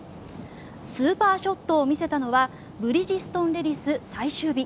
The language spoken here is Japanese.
スーパーショットを見せたのはブリヂストンレディス最終日。